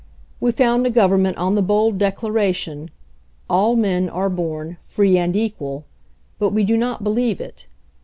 We found a government on the bold declaration, "All men are born free and equal," but we do not believe it.